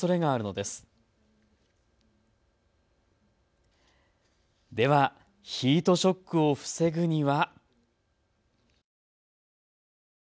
ではヒートショックを防ぐには。